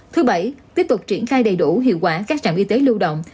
thứ bảy tiếp tục triển khai đầy đủ hiệu quả các trạm y tế lưu động